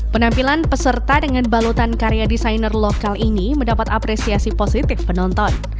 penampilan peserta dengan balutan karya desainer lokal ini mendapat apresiasi positif penonton